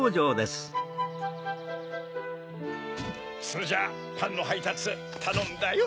それじゃあパンのはいたつたのんだよ。